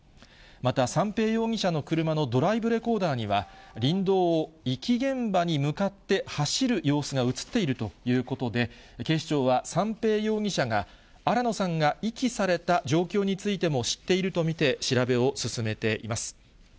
また三瓶容疑者の車のドライブレコーダーには、林道を遺棄現場に向かって走る様子が写っているということで、警視庁は、三瓶容疑者が新野さんが遺棄された状況についても知っていると見て調べを進めています。